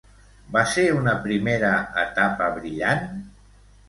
Va ser una primera etapa brillant?